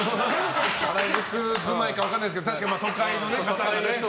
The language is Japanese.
原宿住まいか分からないですけど確かに都会のね。